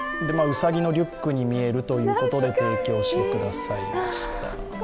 うさぎのリュックに見えるということで提供してくださいました。